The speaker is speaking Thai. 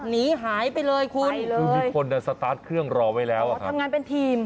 หนีหายไปเลยคุณคือมีคนสตาร์ทเครื่องรอไว้แล้วอ่ะทำงานเป็นทีม